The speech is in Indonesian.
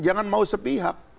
jangan mau sepihak